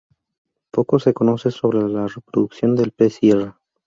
Poco se conoce sobre la la reproducción del pez sierra.